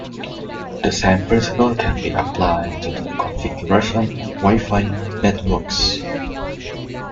The same principle can be applied to the configuration of Wi-Fi networks.